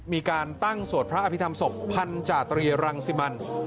มีการตั้งสวดพระอภิษฐรรมศพพันธาตรีรังสิมัน